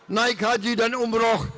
naik haji dan umroh